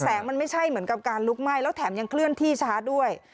มันไม่ใช่เหมือนกับการลุกไหม้แล้วแถมยังเคลื่อนที่ช้าด้วย